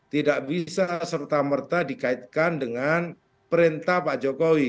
tidak bisa serta merta dikaitkan dengan perintah pak jokowi